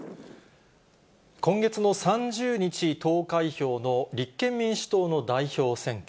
今月の３０日投開票の立憲民主党の代表選挙。